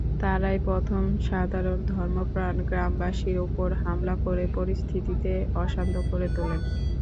তাঁরাই প্রথম সাধারণ ধর্মপ্রাণ গ্রামবাসীর ওপর হামলা করে পরিস্থিতিকে অশান্ত করে তোলেন।